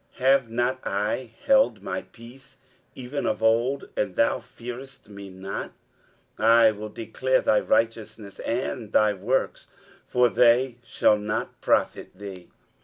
have not I held my peace even of old, and thou fearest me not? 23:057:012 I will declare thy righteousness, and thy works; for they shall not profit thee.